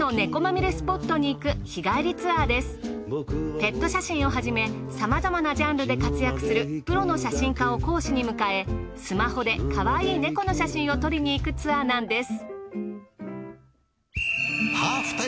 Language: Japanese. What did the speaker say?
ペット写真をはじめさまざまなジャンルで活躍するプロの写真家を講師に迎えスマホで可愛いネコの写真を撮りにいくツアーなんです。